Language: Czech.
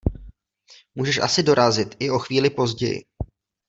Můžeš asi dorazit i o chvíli později.